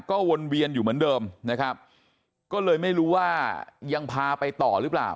ก็วนเวียนอยู่เหมือนเดิมนะครับก็เลยไม่รู้ว่ายังพาไปต่อหรือเปล่า